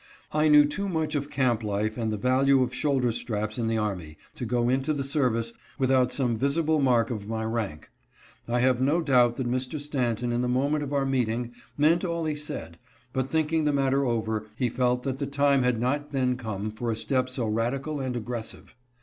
I knew too much of camp life and the value of shoulder straps in the army to go into the service without some visible mark of my rank. I have no doubt that Mr. Stanton in the moment of our meeting meant all he said, but thinking the matter over he felt that the time had not then come for a step so radical and aggressive.